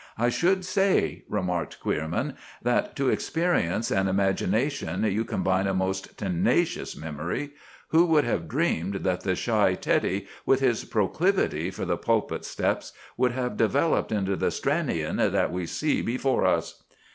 "I should say," remarked Queerman, "that to experience and imagination you combine a most tenacious memory. Who would have dreamed that the shy Teddy, with his proclivity for the pulpit steps, would have developed into the Stranion that we see before us!"